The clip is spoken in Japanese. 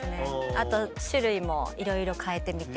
あと種類もいろいろ変えてみて。